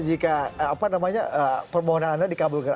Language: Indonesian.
jika permohonan anda dikabulkan